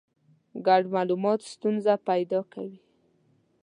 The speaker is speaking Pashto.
ګډ مالومات ستونزه پیدا کوي.